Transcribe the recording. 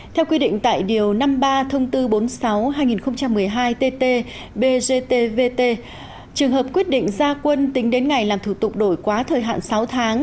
theo quy định tại điều năm mươi ba thông tư bốn mươi sáu hai nghìn một mươi hai tt bgtvt trường hợp quyết định gia quân tính đến ngày làm thủ tục đổi quá thời hạn sáu tháng